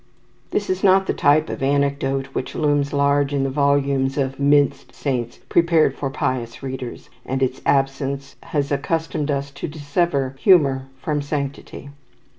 This is not the type of anecdote which looms large in the volumes of "minced saints" prepared for pious readers, and its absence has accustomed us to dissever humour from sanctity.